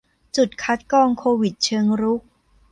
จุดคัดกรองโควิดเชิงรุก